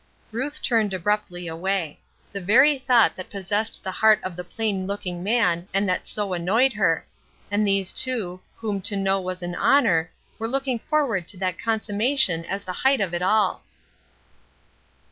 Ruth turned abruptly away. The very thought that possessed the heart of the plain looking man and that so annoyed her; and these two, whom to know was an honor, were looking forward to that consummation as the height of it all!